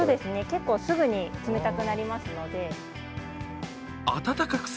結構すぐに冷たくなりますので。